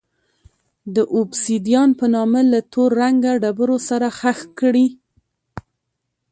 د اوبسیدیان په نامه له تور رنګه ډبرو سره ښخ کړي.